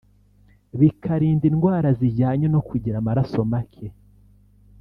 bikarinda indwara zijyanye no kugira amaraso make